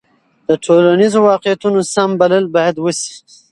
د ټولنیزو واقعیتونو سم بلل باید وسي.